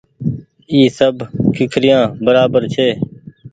اي سب ڪيکريآن برابر ڇي۔